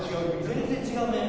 全然違うね。